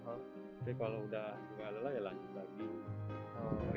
tapi kalau udah gak lelah ya lanjut lagi